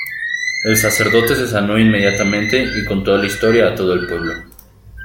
El sacerdote se sanó inmediatamente y contó la historia a todo el pueblo.